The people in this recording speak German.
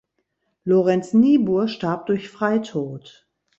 Lorenz Niebuhr starb durch Freitod.